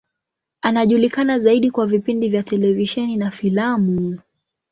Anajulikana zaidi kwa vipindi vya televisheni na filamu.